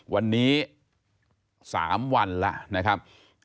วันนี้๓วันแล้วนะครับ